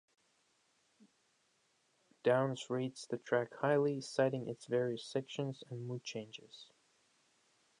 Downes rates the track highly, citing its various sections and mood changes.